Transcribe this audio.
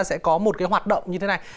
sẽ có một cái hoạt động như thế này